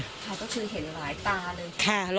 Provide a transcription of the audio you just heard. ค่ะก็คือเห็นหลายตาเลย